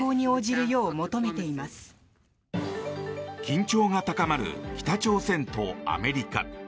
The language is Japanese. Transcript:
緊張が高まる北朝鮮とアメリカ。